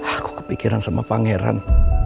aku kepikiran sama pangeran